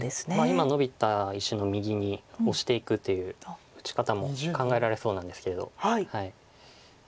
今ノビた石の右にオシていくという打ち方も考えられそうなんですけど。